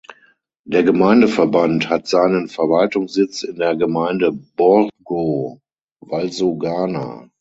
Der Gemeindeverband hat seinen Verwaltungssitz in der Gemeinde Borgo Valsugana.